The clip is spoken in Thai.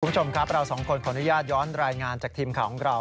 คุณผู้ชมครับเราสองคนขออนุญาตย้อนรายงานจากทีมข่าวของเรา